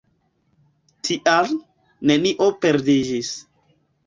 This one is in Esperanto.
Tial, nenio perdiĝis.